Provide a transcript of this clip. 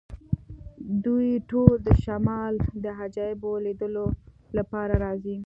دوی ټول د شمال د عجایبو لیدلو لپاره راځي